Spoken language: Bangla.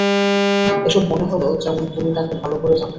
এমন মনে হল, যেমন তুমি তাকে ভালো করে জানো।